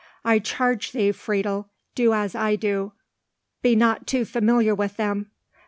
I charge thee, Friedel, do as I do; be not too familiar with them.